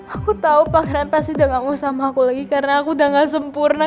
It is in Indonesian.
aku tahu pangeran pasti udah gak usah sama aku lagi karena aku udah gak sempurna